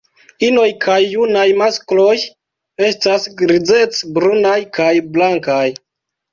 Inoj kaj junaj maskloj estas grizec-brunaj kaj blankaj.